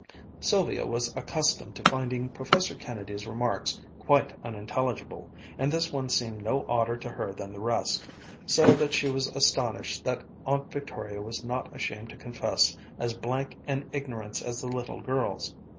Sylvia was accustomed to finding Professor Kennedy's remarks quite unintelligible, and this one seemed no odder to her than the rest, so that she was astonished that Aunt Victoria was not ashamed to confess as blank an ignorance as the little girl's.